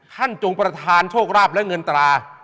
จงประธานโชคราบและเงินตรา